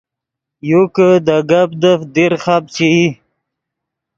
یو کہ دے گپ دیفت دیر خپ چے ای